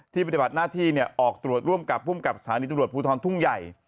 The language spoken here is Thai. ปฏิบัติหน้าที่ออกตรวจร่วมกับภูมิกับสถานีตำรวจภูทรทุ่งใหญ่